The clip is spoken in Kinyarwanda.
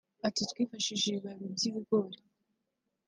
Ati “Twifashisha ibibabi by’ibigori